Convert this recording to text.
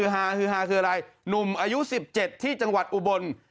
ฮาฮือฮาคืออะไรหนุ่มอายุ๑๗ที่จังหวัดอุบล